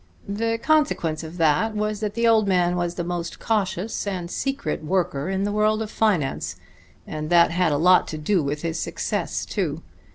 The consequence of that was that the old man was the most cautious and secret worker in the world of finance; and that had a lot to do with his success, too....